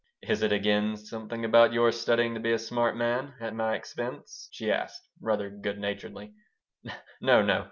"Is it again something about your studying to be a smart man at my expense?" she asked, rather good naturedly "No, no.